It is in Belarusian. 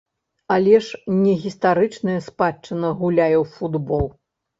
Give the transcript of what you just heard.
Але ж не гістарычная спадчына гуляе ў футбол.